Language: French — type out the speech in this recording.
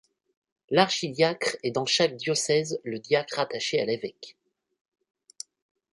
L'archidiacre est dans chaque diocèse le diacre attaché à l'évêque.